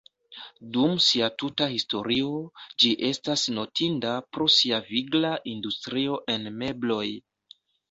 Dum sia tuta historio, ĝi estas notinda pro sia vigla industrio en mebloj.